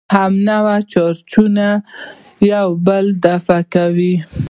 همنوع چارجونه یو بل دفع کوي.